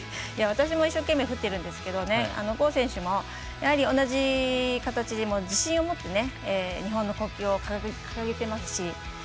私も一生懸命振っているんですが郷選手も同じ形で自信を持って日本の国旗を掲げてますし。